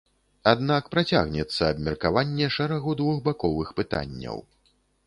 Аднак працягнецца абмеркаванне шэрагу двухбаковых пытанняў.